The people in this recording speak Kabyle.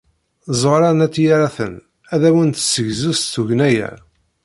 Ẓuhṛa n At Yiraten ad awen-d-tessegzu s tugna-a.